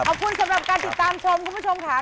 ขอบคุณสำหรับการติดตามชมคุณผู้ชมค่ะ